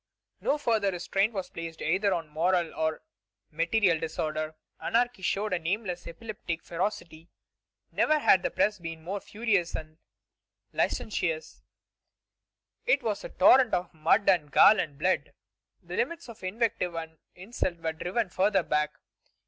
No further restraint was placed either on moral or material disorder. Anarchy showed a nameless epileptic ferocity. Never had the press been more furious or licentious. It was a torrent of mud and gall and blood. The limits of invective and insult were driven further back.